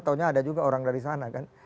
taunya ada juga orang dari sana kan